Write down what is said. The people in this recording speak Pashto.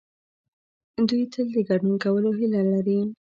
دوی تل د ګډون کولو هيله لري.